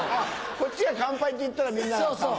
こっちが「乾杯」って言ったらみんなが「乾杯」。